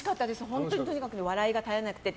本当にとにかく笑いが絶えなくて。